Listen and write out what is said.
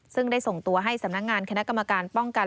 ซึ่งได้ส่งตัวให้สำนักงานคณะกรรมการป้องกัน